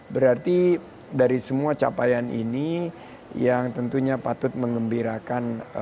berarti dari semua capaian ini yang tentunya patut mengembirakan